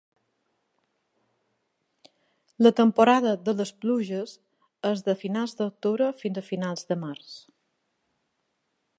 La temporada de les pluges és des de finals d'octubre fins a finals de març.